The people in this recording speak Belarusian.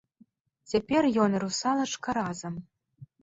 Цяпер ён і русалачка разам.